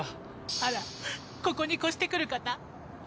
あらここに越して来る方？